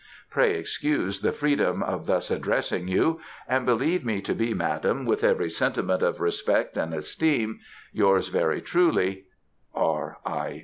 Pray excuse the freedom of thus addressing you, and believe me to be Madam, with every sentiment of respect and esteem, Yours, very truly, Mrs. C.